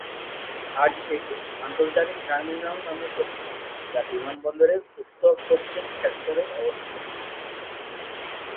আজ এটি আন্তর্জাতিক টার্মিনাল নামে পরিচিত, যা বিমানবন্দরের উত্তর-পশ্চিম সেক্টরে অবস্থিত।